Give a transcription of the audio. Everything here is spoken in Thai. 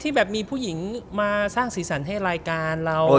แบบมีผู้หญิงมาสร้างสีสันให้รายการเรา